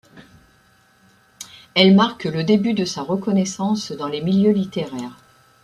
Elle marque le début de sa reconnaissance dans les milieux littéraires.